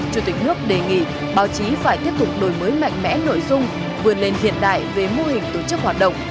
chủ tịch nước đề nghị báo chí phải tiếp tục đổi mới mạnh mẽ nội dung vươn lên hiện đại về mô hình tổ chức hoạt động